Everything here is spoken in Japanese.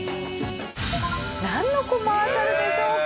なんのコマーシャルでしょうか？